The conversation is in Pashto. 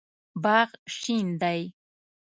باغ شین دی